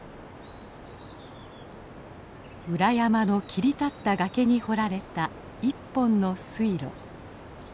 裏山の切り立った崖に掘られた一本の水路。